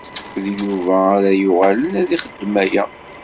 D Yuba ara yuɣalen ad ixeddem aya.